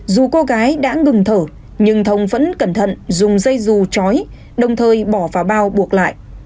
dù cô gái đã ngừng thở nhưng thông vẫn cẩn thận dùng dây dù trói đồng thời bỏ vào bao buộc lại